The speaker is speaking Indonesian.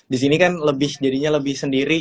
disini kan jadinya lebih sendiri